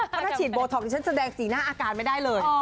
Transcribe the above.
เพราะถ้าฉีดโบท็อกดิฉันแสดงสีหน้าอาการไม่ได้เลย